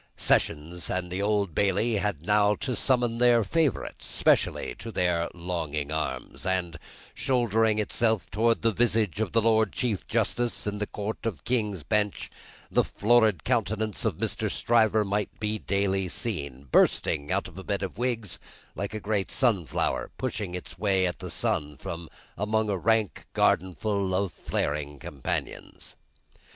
Sessions and Old Bailey had now to summon their favourite, specially, to their longing arms; and shouldering itself towards the visage of the Lord Chief Justice in the Court of King's Bench, the florid countenance of Mr. Stryver might be daily seen, bursting out of the bed of wigs, like a great sunflower pushing its way at the sun from among a rank garden full of flaring companions.